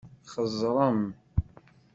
Xeẓẓṛem!